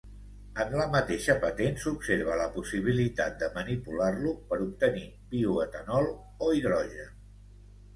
En la mateixa patent s'observa la possibilitat de manipular-lo per obtenir bioetanol o hidrogen.